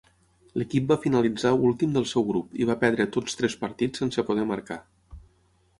L'equip va finalitzar últim del seu grup, i va perdre tots tres partits sense poder marcar.